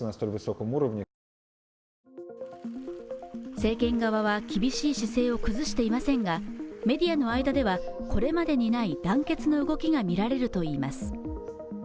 政権側は厳しい姿勢を崩していませんがメディアの間ではこれまでにない団結の動きが見られるといいます